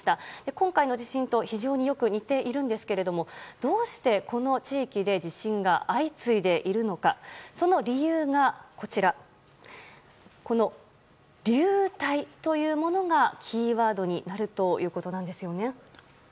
今回の地震と非常によく似ているんですがどうして、この地域で地震が相次いでいるのかその理由がこの流体というものがキーワードになるということなんですよね。